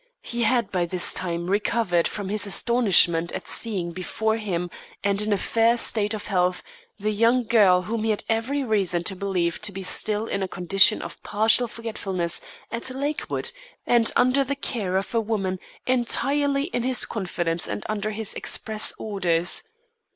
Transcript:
He had by this time recovered from his astonishment at seeing before him, and in a fair state of health, the young girl whom he had every reason to believe to be still in a condition of partial forgetfulness at Lakewood, and under the care of a woman entirely in his confidence and under his express orders.